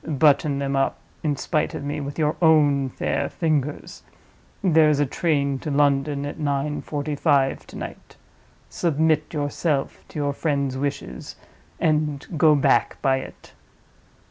Button them up in spite of me with your own fair fingers. There is a train to London at nine forty five to night. Submit yourself to your friend's wishes and go back by it."